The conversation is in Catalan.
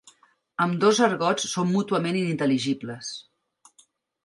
Ambdós argots són mútuament inintel·ligibles.